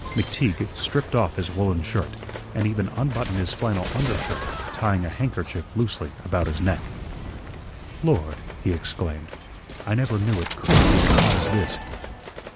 McTeague stripped off his woollen shirt, and even unbuttoned his flannel undershirt, tying a handkerchief loosely about his neck. "Lord!" he exclaimed. "I never knew it COULD get as hot as this."